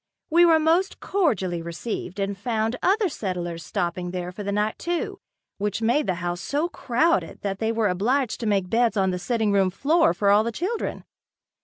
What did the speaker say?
We were most cordially received and found other settlers stopping there for the night too, which made the house so crowded that they were obliged to make beds on the sitting room floor for all the children.